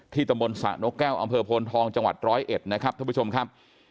ตำบลสระนกแก้วอำเภอโพนทองจังหวัดร้อยเอ็ดนะครับท่านผู้ชมครับ